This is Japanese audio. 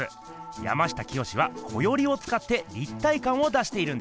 山下清は「こより」をつかって立体かんを出しているんです。